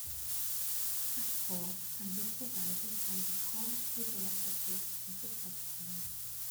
Backports can be provided by the core developer group of the software.